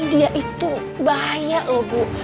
dia itu bahaya loh bu